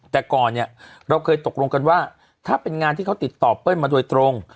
แต่ก่อนเนี่ยเราเคยตกลงกันว่าถ้าเป็นงานที่เขาติดต่อเปิ้ลมาโดยตรง